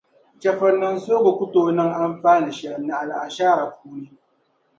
Chεfurinim’ suhigu ku tooi niŋ anfaani shεli naɣila ashaara puuni.